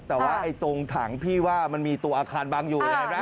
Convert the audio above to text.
แต่ว่าตรงถังพี่ว่ามันมีตัวอาคารบังอยู่นะ